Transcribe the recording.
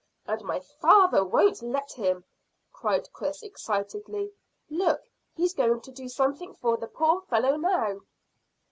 "And my father won't let him," cried Chris excitedly. "Look, he's going to do something for the poor fellow now."